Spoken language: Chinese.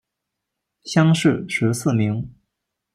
乡试十四名。